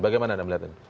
bagaimana anda melihat ini